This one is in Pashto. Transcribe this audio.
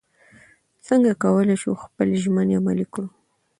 څنګه کولی شو خپلې ژمنې عملي کړو؟